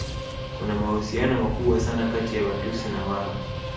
Kuna mahusiano makubwa sana kati ya Watusi na Waha